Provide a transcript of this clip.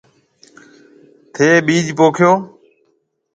ٿَي ٻِيج پوکيو۔